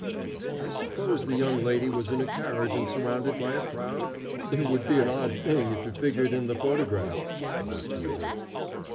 "I suppose the young lady was in a carriage and surrounded by a crowd? It would be an odd thing if you figured in the photograph," laughed Winter.